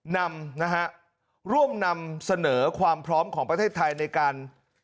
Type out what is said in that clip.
นำนะฮะร่วมนำเสนอความพร้อมของประเทศไทยในการ